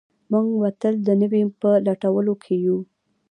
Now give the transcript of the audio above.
موږ به تل د نوي په لټولو کې یو.